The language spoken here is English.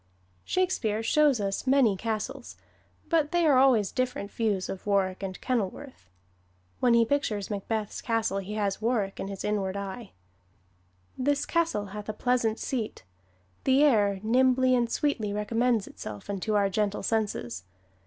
Shakespeare shows us many castles, but they are always different views of Warwick or Kenilworth. When he pictures Macbeth's castle he has Warwick in his inward eye: "This castle hath a pleasant seat: the air Nimbly and sweetly recommends itself Unto our gentle senses.